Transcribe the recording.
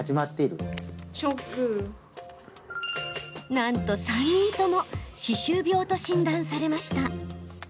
なんと、３人とも歯周病と診断されました。